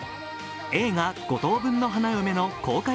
映画「五等分の花嫁」の公開